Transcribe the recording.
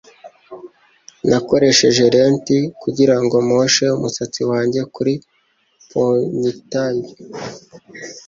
Nakoresheje lente kugirango mposhe umusatsi wanjye kuri ponytail.